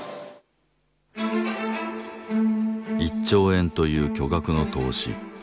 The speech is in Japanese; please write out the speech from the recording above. １兆円という巨額の投資。